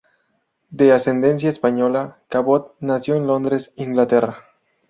De ascendencia española, Cabot nació en Londres, Inglaterra.